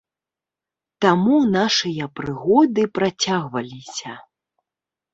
Таму нашыя прыгоды працягваліся.